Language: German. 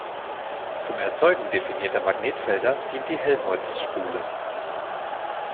Zum Erzeugen definierter Magnetfelder dient die Helmholtz-Spule.